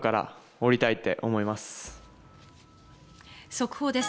速報です。